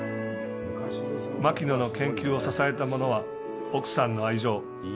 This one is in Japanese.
牧野の研究を支えたものは奥さんの愛情。